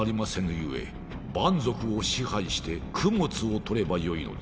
ゆえ蛮族を支配して供物を取ればよいのです。